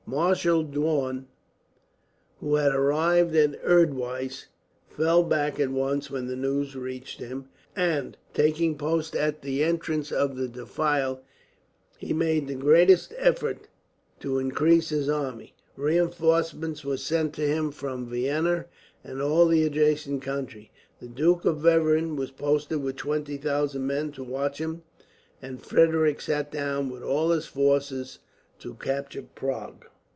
Marshal Daun, who had arrived at Erdwise, fell back at once when the news reached him and, taking post at the entrance of the defile, he made the greatest efforts to increase his army. Reinforcements were sent to him from Vienna and all the adjacent country. The Duke of Bevern was posted with 20,000 men to watch him; and Frederick sat down, with all his force, to capture Prague.